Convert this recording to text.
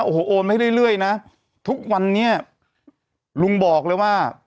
โอนไว้เรื่อยเรื่อยนะทุกวันนี้ลุงบอกเลยว่า